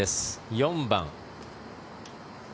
４番。